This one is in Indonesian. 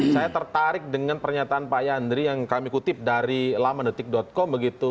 saya tertarik dengan pernyataan pak yandri yang kami kutip dari lamandetik com begitu